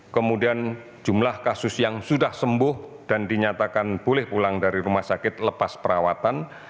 kemudian jumlah kasus yang sudah sembuh dan dinyatakan boleh pulang dari rumah sakit lepas perawatan